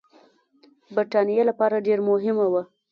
برټانیې لپاره ډېر مهم وه.